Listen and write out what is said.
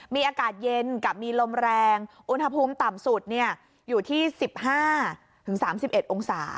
มีอากาศเย็นกับมีลมแรงอุณหภูมิต่ำสุดอยู่ที่๑๕๓๑องศา